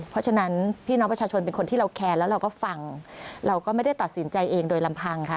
เพราะฉะนั้นพี่น้องประชาชนเป็นคนที่เราแคร์แล้วเราก็ฟังเราก็ไม่ได้ตัดสินใจเองโดยลำพังค่ะ